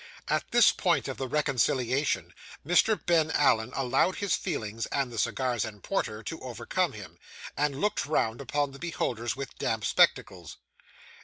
At this point of the reconciliation, Mr. Ben Allen allowed his feelings and the cigars and porter to overcome him, and looked round upon the beholders with damp spectacles.